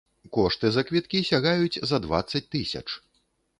Кошты за квіткі сягаюць за дваццаць тысяч.